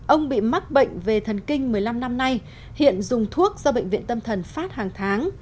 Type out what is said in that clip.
ông bị mắc bệnh về thần kinh một mươi năm năm nay hiện dùng thuốc do bệnh viện tâm thần phát hàng tháng